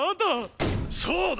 そうだ！